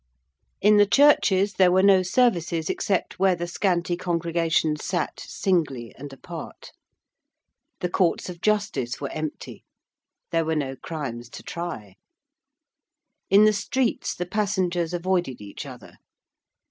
In the churches there were no services except where the scanty congregation sat singly and apart. The Courts of Justice were empty: there were no crimes to try: in the streets the passengers avoided each other.